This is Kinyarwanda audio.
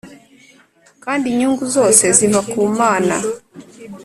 kandi inyungu zose ziva ku mana!